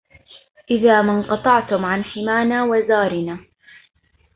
إذا ما انقطعتم عن حمانا وزارنا